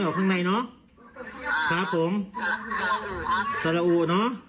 สะระอูนะว่ายนะครับแล้วก็พอต้าหาร